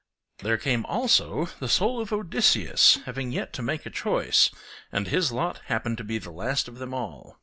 There came also the soul of Odysseus having yet to make a choice, and his lot happened to be the last of them all.